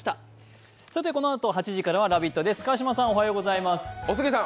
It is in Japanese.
このあと８時からは「ラヴィット！」です。